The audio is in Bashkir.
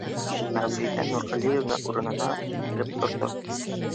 — Мәүлиҙә Нурғәлиевна урынынан һикереп торҙо.